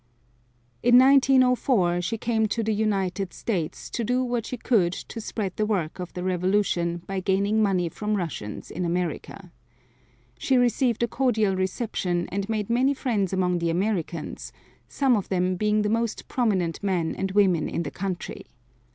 In 1904 she came to the United States to do what she could to spread the work of the revolution by gaining money from Russians in America. She received a cordial reception and made many friends among the Americans, some of them being the most prominent men and women in the country.